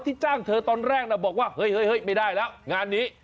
จ้างเธอตอนแรกนะบอกว่าเฮ้ยไม่ได้แล้วงานนี้